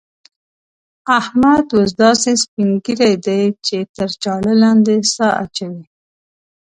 احمد اوس داسې سپين ږيری دی چې تر چاړه لاندې سا اچوي.